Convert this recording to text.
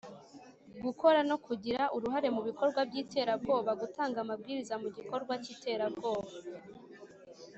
gukora no kugira uruhare mu bikorwa by’iterabwoba, gutanga amabwiriza mu gikorwa cy’iterabwoba